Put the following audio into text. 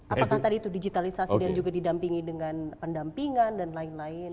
apakah tadi itu digitalisasi dan juga didampingi dengan pendampingan dan lain lain